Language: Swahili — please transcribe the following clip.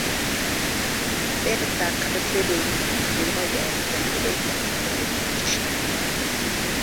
beta karotini ni moja ya vitamini A katika viazi lishe